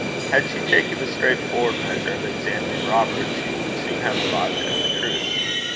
Had she taken the straightforward measure of examining Robert, she would soon have arrived at the truth.